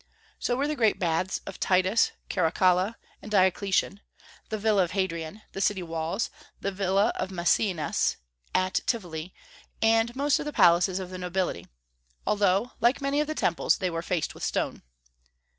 So were the great baths of Titus, Caracalla, and Diocletian, the villa of Hadrian, the city walls, the villa of Mecaenas at Tivoli, and most of the palaces of the nobility, although, like many of the temples, they were faced with stone.